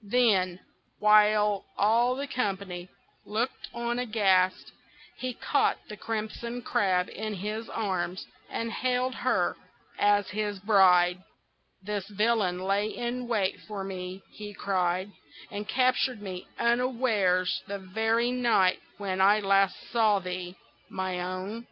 Then, while all the company looked on aghast, he caught the Crimson Crab in his arms, and hailed her as his bride. "This villain lay in wait for me," he cried, "and captured me unawares the very night when last I saw thee, my own.